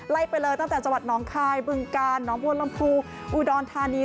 ไปเลยตั้งแต่จังหวัดน้องคายบึงกาลน้องบัวลำพูอุดรธานี